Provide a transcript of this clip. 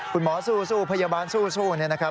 คุณหมอสู้พยาบาลสู้นะครับ